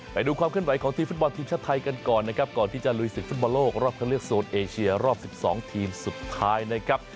ไปดูความขึ้นไหวของทีมฟุตบอลทีมชาติไทยกันก่อนนะครับก่อนที่จะลุยศึกฟุตบอลโลกรอบเข้าเลือกโซนเอเชียรอบ๑๒ทีมสุดท้ายนะครับ